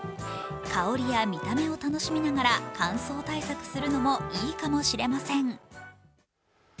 香りや見た目を楽しみながら乾燥対策するのもいいかもしれません。